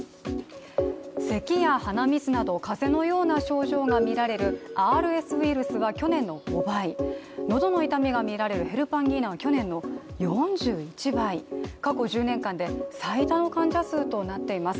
せきや鼻水など、風邪のような症状が見られるＲＳウイルスは去年の５倍、喉の痛みが見られるヘルパンギーナは去年の４１倍、過去１０年間で最大の患者数となっています。